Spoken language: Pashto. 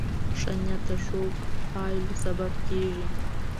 ښه نیت د ښو پایلو سبب کېږي.